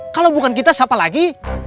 kalau bukan kita siapa lagi